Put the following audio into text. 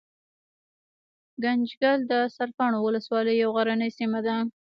ګنجګل دسرکاڼو ولسوالۍ يو غرنۍ سيمه ده